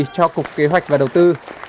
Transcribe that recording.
cho cục kế hoạch và đầu tư